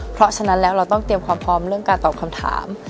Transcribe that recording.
เพราะฉะนั้นแล้วเราต้องเตรียมความพร้อมเรื่องการตอบคำถาม